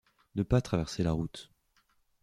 Ne pas traverser la route.